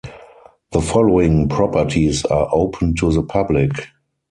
The following properties are open to the public.